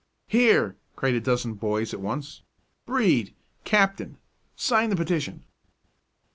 "Here!" cried a dozen boys at once. "Brede, captain! sign the petition!"